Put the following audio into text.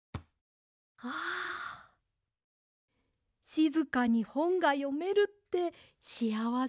しずかにほんがよめるってしあわせです。